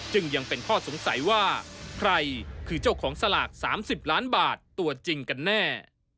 ยังเป็นข้อสงสัยว่าใครคือเจ้าของสลาก๓๐ล้านบาทตัวจริงกันแน่